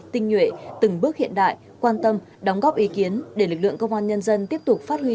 tinh nhuệ từng bước hiện đại quan tâm đóng góp ý kiến để lực lượng công an nhân dân tiếp tục phát huy